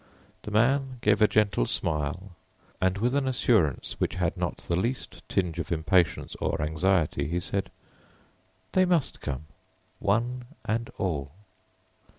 The man gave a gentle smile, and with an assurance which had not the least tinge of impatience or anxiety, he said, "They must come, one and all."